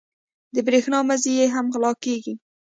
د برېښنا مزي یې هم غلا کېږي.